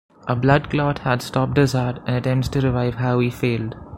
A blood clot had stopped his heart, and attempts to revive Howie failed.